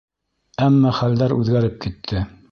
Әммә хәлдәр үҙгәреп китте.